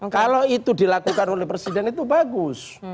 kalau itu dilakukan oleh presiden itu bagus